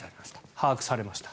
把握されました。